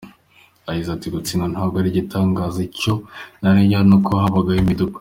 Yagize ati “ Gutsindwa ntabwo ari igitangaza, icyo naharaniraga n’uko habaho impinduka.